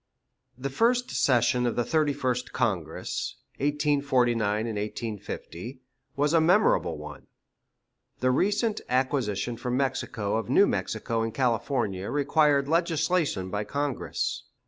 The first session of the Thirty first Congress (1849 '50) was a memorable one. The recent acquisition from Mexico of New Mexico and California required legislation by Congress.